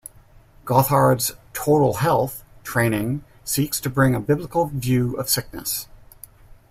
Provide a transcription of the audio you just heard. Gothard's "Total Health" training seeks to bring a Biblical view of sickness.